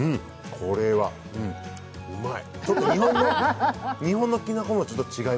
これは、うまい。